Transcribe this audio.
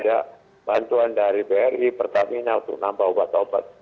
ada bantuan dari bri pertamina untuk nambah obat obat